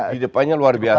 di depannya luar biasa